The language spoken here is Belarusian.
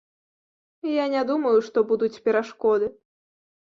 Я не думаю, што будуць перашкоды.